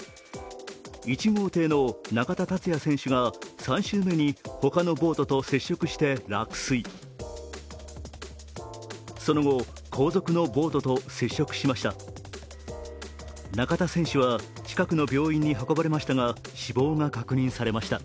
１号艇の中田達也選手が３周目に他のボートと接触して落水その後、後続のボートと接触しました。